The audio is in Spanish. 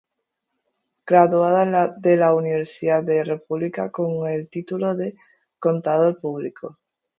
Graduado en la Universidad de la República con el título de Contador Público.